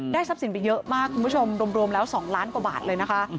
ทรัพย์สินไปเยอะมากคุณผู้ชมรวมแล้ว๒ล้านกว่าบาทเลยนะคะ